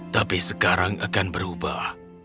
tapi sekarang akan berubah